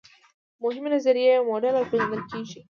مهمې نظریې موډل او پیژندل کیږي.